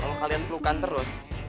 kalau kalian pelukan terus